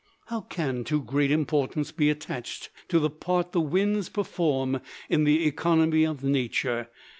How can too great importance be attached to the part the winds perform in the economy of nature?